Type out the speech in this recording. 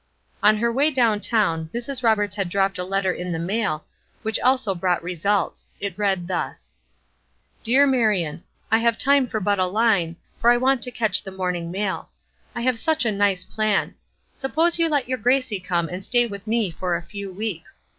On her way down town, Mrs. Roberts had dropped a letter in the mail, which also brought results. It read thus: "DEAR MARION, I have time for but a line, for I want to catch the morning mail. I have such a nice plan. Suppose you let your Gracie come and stay with me for a few weeks.